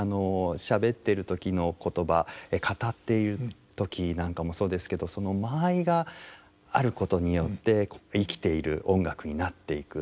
しゃべってる時の言葉語っている時なんかもそうですけどその間合いがあることによって生きている音楽になっていく。